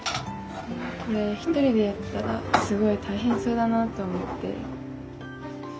これ１人でやったらすごい大変そうだなと思って。